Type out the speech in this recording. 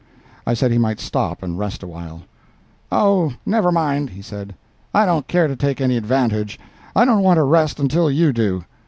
I said he might stop and rest awhile. "Oh, never mind," he said, "I don't care to take any advantage—I don't want to rest until you do.